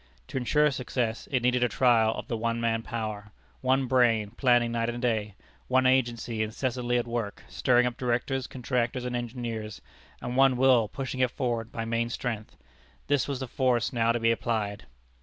To insure success, it needed a trial of the one man power one brain, planning night and day; one agency incessantly at work, stirring up directors, contractors, and engineers; and one will pushing it forward by main strength. This was the force now to be applied.